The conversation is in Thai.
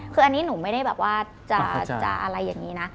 คืออันนี้หนูไม่ได้แบบว่าจะอะไรอย่างนี้นะ